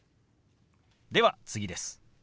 では次です。